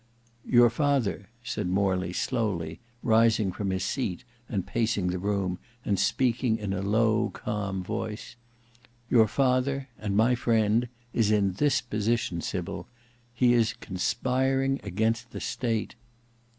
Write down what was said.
"Your father," said Morley, slowly, rising from his seat and pacing the room, and speaking in a low calm voice, "Your father—and my friend—is in this position Sybil: he is conspiring against the State."